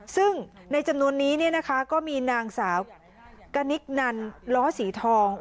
ซึ่งในจำนวนนี้ก็มีนางสาวกนิกนันล้อสีทอง